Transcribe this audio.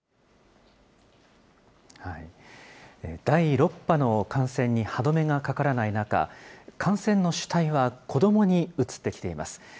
第６波の感染に歯止めがかからない中、感染の主体は子どもに移ってきています。